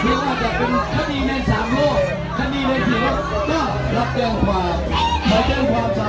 ทุกแบบว่าความทุกตัดีไม่ว่าจะเป็นคัดีกิ๊กสวยกว่าภรรยา